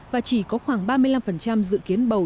và chỉ có khoảng ba mươi năm dự kiến bầu